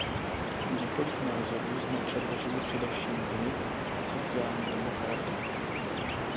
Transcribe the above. Několik názorů jsme předložili především my sociální demokraté.